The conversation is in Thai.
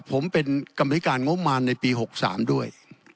ผมเป็นคัมฤตการณ์โง่มันในปี๖๓ด้วย